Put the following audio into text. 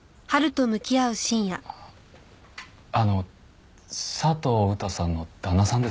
あの佐藤うたさんの旦那さんですよね？